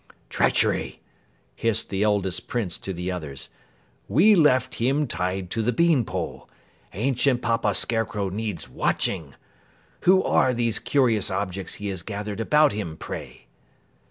"Treachery!" hissed the eldest Prince to the others. "We left him tied to the bean pole. Ancient Papa Scarecrow needs watching! Who are these curious objects he has gathered about him, pray?"